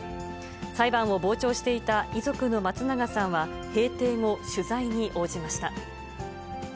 裁判を傍聴していた遺族の松永さんは、閉廷後、取材に応じました。